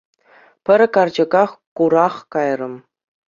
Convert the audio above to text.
Пӗр карчӑка курах кайрӑм.